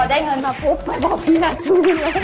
พอได้เงินมาปุ๊บไปบอกพี่ลาจูนเลย